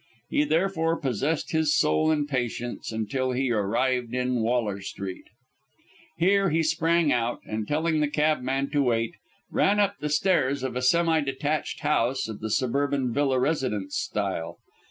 He therefore possessed his soul in patience until he arrived in Waller Street. Here he sprang out, and telling the cabman to wait, ran up the steps of a semi detached house of the suburban villa residence style.